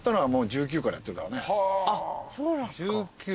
あっそうなんすか。